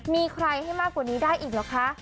มีใครให้มากกว่านี้ได้อีกเหรอคะ